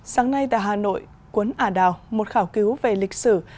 sáng nay tại hà nội quấn ả đào một khảo cứu về lịch sử